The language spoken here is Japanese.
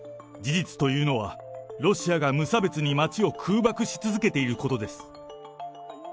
事実というのは、ロシアが無差別に街を空爆し続けていることです。